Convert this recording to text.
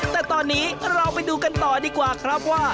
แต่ตอนนี้เราไปดูกันต่อดีกว่าครับว่า